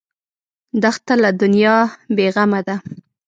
دښته له دنیا بېغمه ده.